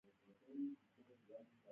زموږ ټولنه کڼه او ړنده ده هیس نه پوهیږي.